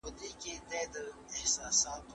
ایا له نږدې دوستانو سره د سفر کول ذهن ته خوښي بخښي؟